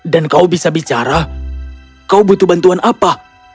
dan kau bisa bicara kau butuh bantuan apa